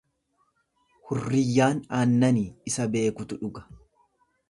Hurriyyaan aannani isa beekutu dhuga.